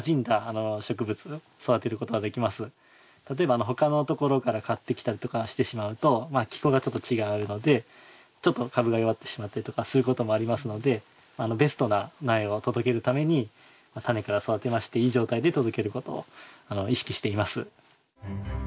例えば他のところから買ってきたりとかしてしまうと気候がちょっと違うのでちょっと株が弱ってしまってとかすることもありますのでベストな苗を届けるためにタネから育てましていい状態で届けることを意識しています。